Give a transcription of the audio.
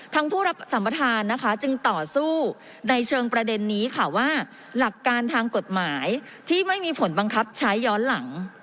ผู้รับสัมประธานนะคะจึงต่อสู้ในเชิงประเด็นนี้ค่ะว่าหลักการทางกฎหมายที่ไม่มีผลบังคับใช้ย้อนหลัง